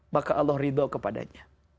maka allah ridha kepadanya